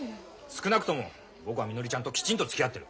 少なくとも僕はみのりちゃんときちんとつきあってる。